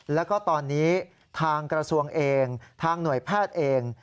แล้วก็ตอนนี้ทางกระทรวงเองทางหน่วยแพทย์เอง